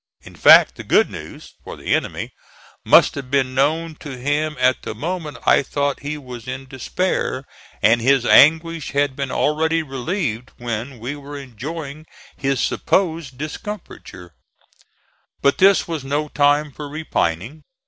In fact, the good news (for the enemy) must have been known to him at the moment I thought he was in despair, and his anguish had been already relieved when we were enjoying his supposed discomfiture, But this was no time for repining.